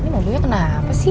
ini mobil kenapa sih